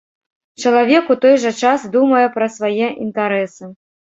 Чалавек у той жа час думае пра свае інтарэсы.